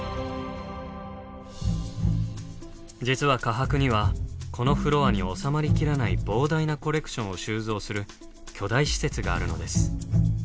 実は科博にはこのフロアに収まりきらない膨大なコレクションを収蔵する巨大施設があるのです。